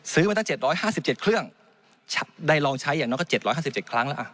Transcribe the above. มาตั้ง๗๕๗เครื่องได้ลองใช้อย่างน้อยก็๗๕๗ครั้งแล้ว